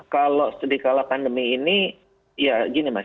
kalau di kala pandemi ini ya gini mas